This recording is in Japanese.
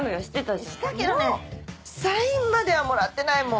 したけどサインまではもらってないもん。